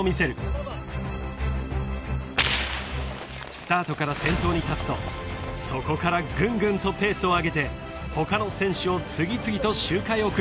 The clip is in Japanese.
［スタートから先頭に立つとそこからぐんぐんとペースを上げて他の選手を次々と周回遅れに］